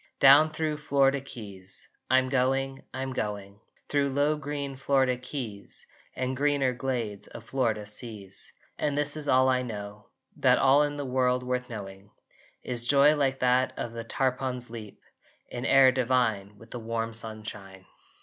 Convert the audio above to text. Down thro Florida keys I'm going, I'm going! Thro low green Florida keys And greener glades of Florida seas! And this is all I know, That all in the world worth knowing Is joy like that of the tarpon's leap In air divine with the warm sunshine!